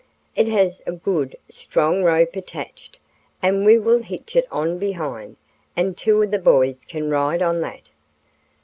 It has a good, strong rope attached, and we will hitch it on behind, and two of you boys can ride on that."